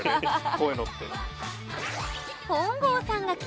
こういうのって。